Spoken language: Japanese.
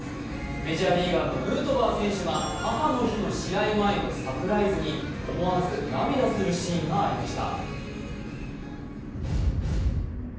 メジャーリーガーのヌートバー選手が母の日の試合前のサプライズに思わず涙するシーンがありました。